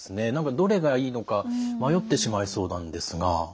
どれがいいのか迷ってしまいそうなんですが。